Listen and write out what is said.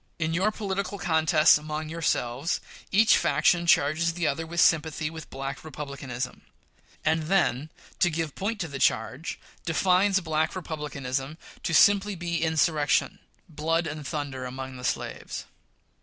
In your political contests among yourselves, each faction charges the other with sympathy with Black Republicanism; and then, to give point to the charge, defines Black Republicanism to simply be insurrection, blood, and thunder among the slaves.